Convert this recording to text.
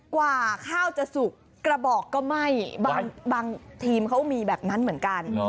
กว่าข้าวจะสุกกระบอกก็ไหม้บางทีมเขามีแบบนั้นเหมือนกัน